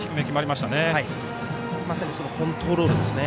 まさにコントロールですね。